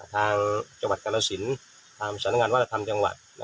ทางจังหวัดกรณสินทางศาลงานว่ารธรรมจังหวัด